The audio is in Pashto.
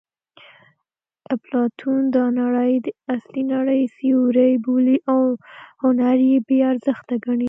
اپلاتون دا نړۍ د اصلي نړۍ سیوری بولي او هنر یې بې ارزښته ګڼي